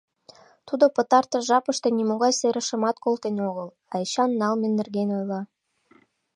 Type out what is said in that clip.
Тудо пытартыш жапыште нимогай серышымат колтен огыл, а Эчан налме нерген ойла.